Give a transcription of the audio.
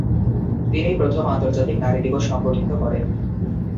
তিনি প্রথম আন্তর্জাতিক নারী দিবস সংগঠিত করেন।